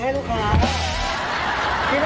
ขอหอมหนึ่ง